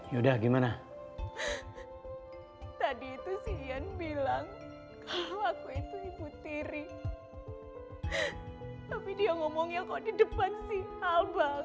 yaudah gimana tadi itu siyan bilang aku itu ibu tiri tapi dia ngomongnya kok di depan sih abang